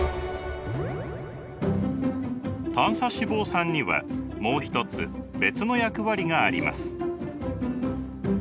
短鎖脂肪酸にはもう一つ別の役割があります。